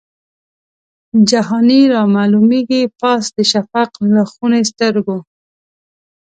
جهاني رامعلومیږي پاس د شفق له خوني سترګو